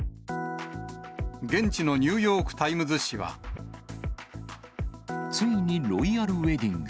現地のニューヨーク・タイムついにロイヤルウエディング。